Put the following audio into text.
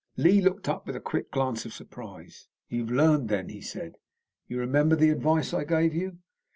Lee looked up with a quick glance of surprise. "You've learned, then!" he said. "You remember the advice I gave you?"